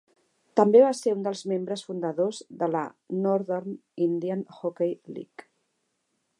També va ser un dels membres fundadors de la Northern Indian Hockey League.